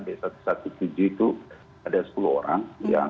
b satu ratus tujuh belas itu ada sepuluh orang